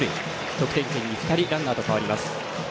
得点圏に２人ランナーとかわります。